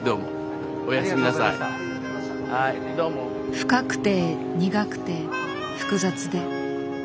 深くて苦くて複雑で。